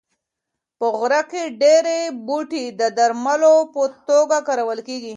په غره کې ډېر بوټي د درملو په توګه کارول کېږي.